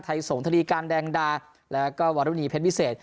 สงธนีการแดงดาแล้วก็วารุณีเพชรวิเศษ